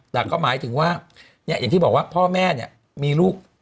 แต่ก็หมายถึงว่าอย่างที่บอกว่าพ่อแม่เนี่ยมีลูก